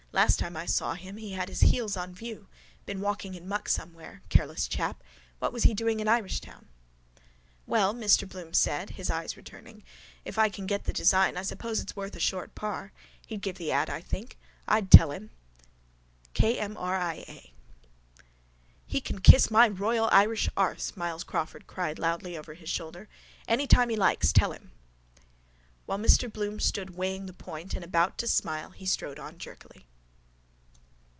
Last time I saw him he had his heels on view. Been walking in muck somewhere. Careless chap. What was he doing in Irishtown? —Well, Mr Bloom said, his eyes returning, if I can get the design I suppose it's worth a short par. He'd give the ad, I think. I'll tell him... K.M.R.I.A. —He can kiss my royal Irish arse, Myles Crawford cried loudly over his shoulder. Any time he likes, tell him. While Mr Bloom stood weighing the point and about to smile he strode on jerkily.